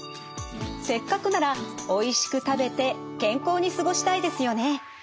せっかくならおいしく食べて健康に過ごしたいですよね。